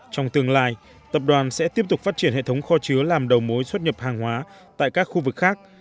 trong tương lai tập đoàn sẽ tiếp tục phát triển hệ thống kho chứa làm đầu mối xuất nhập hàng hóa tại các khu vực khác